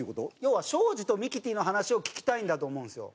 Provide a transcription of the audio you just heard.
要は庄司とミキティの話を聞きたいんだと思うんですよ。